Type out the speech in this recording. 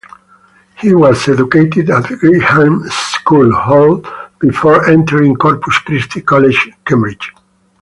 He was educated at Gresham's School, Holt, before entering Corpus Christi College, Cambridge.